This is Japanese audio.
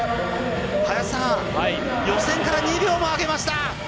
予選から２秒も上げました。